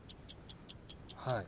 はい。